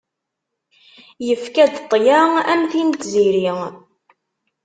Yefka-d ṭṭya, am tin n tziri.